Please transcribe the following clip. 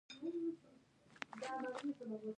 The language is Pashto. مانا دا چې فریدګل باید له نرمۍ ناوړه ګټه پورته نکړي